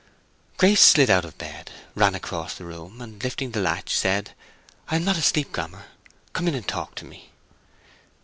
Grace slid out of bed, ran across the room, and lifting the latch, said, "I am not asleep, Grammer. Come in and talk to me."